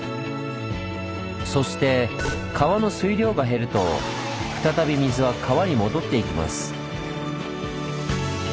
そして川の水量が減ると再び水は川に戻っていきます。